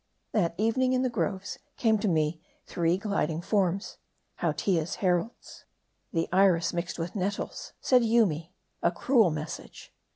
THAT evening, in the groves, came to me three gliding forms : Hautia's heralds : the Iris mixed with nettles. Said Yoomy, " A cruel message